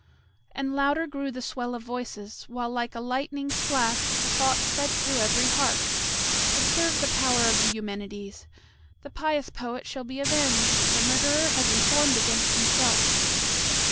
And louder grew the swell of voices, while like a lightning's flash the thought sped through every heart, "Observe the power of the Eumenides! The pious poet shall be avenged! the murderer has informed against himself.